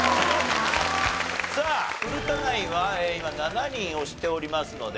さあ古田ナインは今７人押しておりますので。